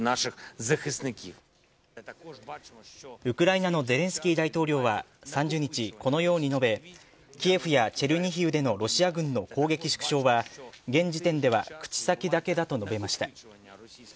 ウクライナのゼレンスキー大統領は３０日、このように述べキエフやチェルニヒウでのロシア軍の攻撃縮小は現時点では口先だけだと述べました。